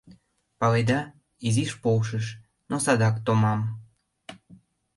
Паледа, изиш полшыш, но садак томам.